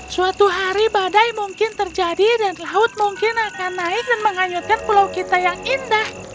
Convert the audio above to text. suatu hari badai mungkin terjadi dan laut mungkin akan naik dan menghanyutkan pulau kita yang indah